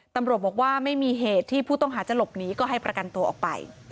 ตำรวจบอกว่าไม่มีเหตุที่ผู้ต้องหาจะหลบหนีก็ให้ประกันตัวออกไป